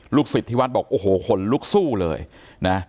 หลุงสิทธิวัฒน์บอกโอ้โหคนลุกสู้เลยนะ